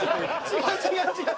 違う違う違う。